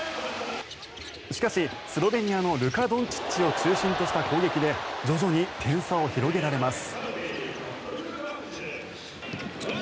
しかし、スロベニアのルカ・ドンチッチを中心とした攻撃で徐々に点差を広げられます。